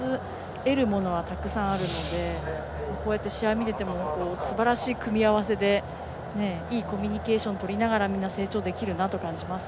得るものはたくさんあるのでこうして試合を見ていてもすばらしい組み合わせでいいコミュニケーションをとりながらみんな成長できるなと感じます。